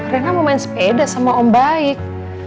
karena mau main sepeda sama om baik